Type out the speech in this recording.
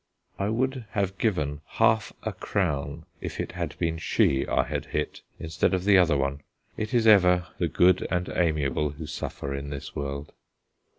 I would have given half a crown if it had been she I had hit instead of the other one. It is ever the good and amiable who suffer in this world.